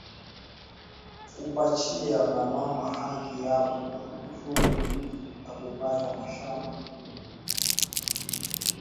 kupachiya ba mama haki yabo njuu ya kupata mashamba